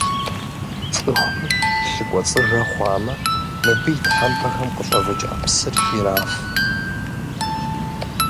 Цӏыхур лъы кӏуэцӏыжэ хъуамэ, мыбы и тхьэмпэхэм къыщӏэвыкӏа псыр ираф.